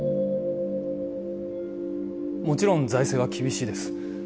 もちろん財政は厳しいです